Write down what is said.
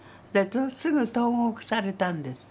すぐ投獄されたんです。